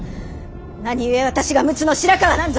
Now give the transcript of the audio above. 何故私が陸奥の白河なんぞ！